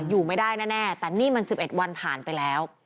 อยู่ไม่ได้แน่แต่นี่มัน๑๑วันผ่านไปแล้ว